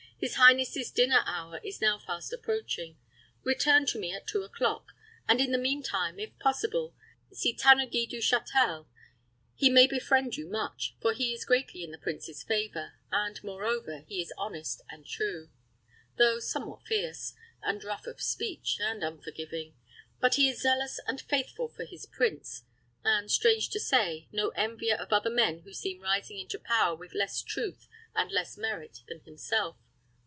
His highness's dinner hour is now fast approaching. Return to me at two o'clock; and in the mean time, if possible, see Tanneguy du Châtel. He may befriend you much, for he is greatly in the prince's favor, and, moreover, he is honest and true, though somewhat fierce, and rough of speech, and unforgiving. But he is zealous and, faithful for his prince, and, strange to say, no envier of other men who seem rising into power with less truth and less merit than himself.